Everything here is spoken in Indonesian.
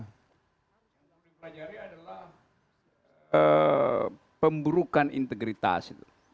pelajari adalah pemburukan integritas